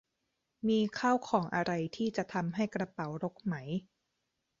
มีข้าวของอะไรที่จะทำให้กระเป๋ารกไหม